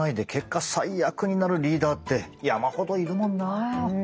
最悪になるリーダーって山ほどいるもんなあ。